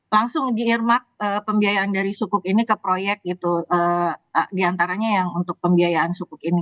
langsung di irmak pembiayaan dari sukuk ini ke proyek gitu diantaranya yang untuk pembiayaan sukuk ini